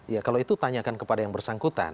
ya kalau itu tanyakan kepada yang bersangkutan